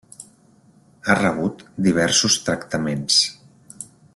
Ha rebut diversos tractaments.